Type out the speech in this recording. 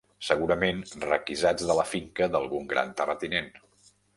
Segurament requisats de la finca d'algun gran terratinent